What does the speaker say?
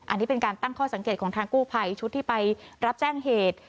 อันนี้เป็นการตั้งข้อสังเกตของทางกู้ภัยชุดที่ไปรับแจ้งเหตุ